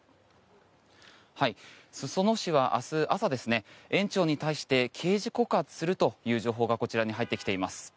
裾野市は明日朝園長に対して刑事告発するという情報がこちらに入ってきています。